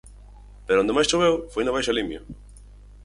Pero onde máis choveu foi na Baixa Limia.